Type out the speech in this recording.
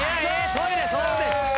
トイレそうです。